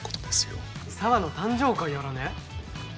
沙和の誕生会やらね？